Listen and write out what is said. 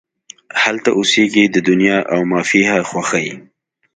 هلته اوسیږې د دنیا او مافیها خوښۍ